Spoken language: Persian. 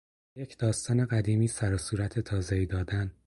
به یک داستان قدیمی سر و صورت تازهای دادن